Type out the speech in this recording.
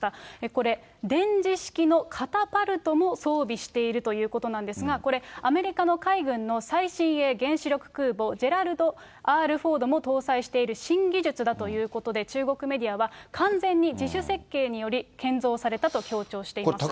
これ、電磁式のカタパルトも装備しているということなんですが、これ、アメリカの海軍の最新鋭原子力空母ジェラルド・Ｒ・フォードも搭載している新技術だということで、中国メディアは、完全に自主設計により建造されたと強調しています。